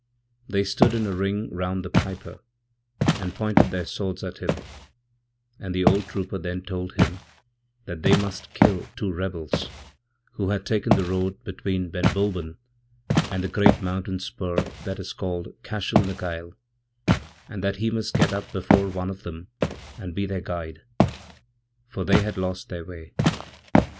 They stood in a ring roundthe piper, and pointed their swords at him, and the old trooper thentold him that they must kill two rebels, who had taken the roadbetween Ben Bulben and the great mountain spur that is called Cashel na Gael, and that he must get up before one of them and be theirguide, for they had lost their way.